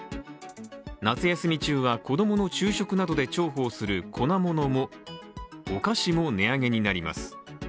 夏休み中は子供の昼食などで重宝する粉ものも、お菓子も値上げになります。